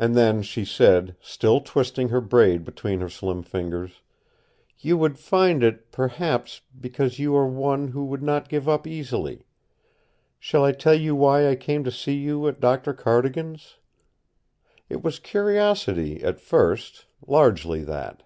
And then she said, still twisting her braid between her slim fingers, "You would find it perhaps because you are one who would not give up easily. Shall I tell you why I came to see you at Doctor Cardigan's? It was curiosity, at first largely that.